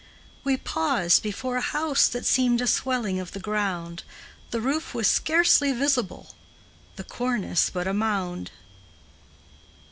We paused before a house that seemed A swelling of the ground; The roof was scarcely visible, The cornice but a mound.